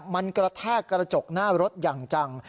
มันกระแทกกระจกหน้ารถอย่างจัง